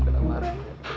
belakang hari ya